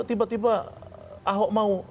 tiba tiba ahok mau